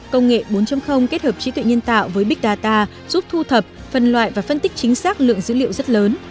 công nghệ bốn kết hợp trí tuệ nhân tạo với big data giúp thu thập phân loại và phân tích chính xác lượng dữ liệu rất lớn